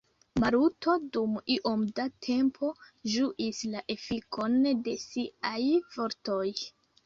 Maluto dum iom da tempo ĝuis la efikon de siaj vortoj.